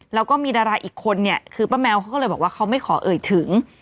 แล้วก็มีดาราอีกคนเนี่ยคือป้าแมวเขาก็เลยบอกว่าเขาไม่ขอเอ่ยถึง